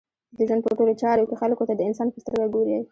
د ژوند په ټولو چارو کښي خلکو ته د انسان په سترګه ګورئ!